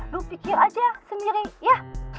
lu pikir aja sendiri ya